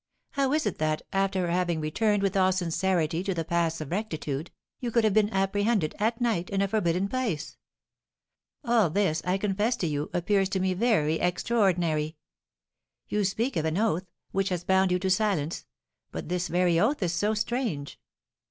How is it that, after having returned with all sincerity to the paths of rectitude, you could have been apprehended, at night, in a forbidden place? All this, I confess to you, appears to me very extraordinary. You speak of an oath, which has bound you to silence; but this very oath is so strange!"